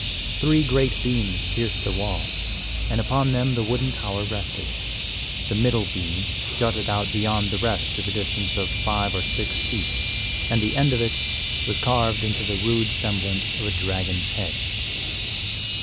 Three great beams pierced the wall, and upon them the wooden tower rested. The middle beam jutted out beyond the rest to the distance of five or six feet, and the end of it was carved into the rude semblance of a dragon's head.